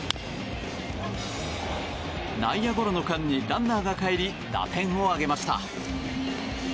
内野ゴロの間にランナーがかえり打点を挙げました。